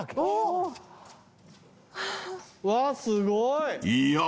うわすごい！